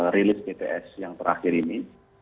release dps yang terakhir ini